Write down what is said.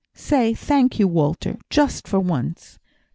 say, thank you, Walter just for once."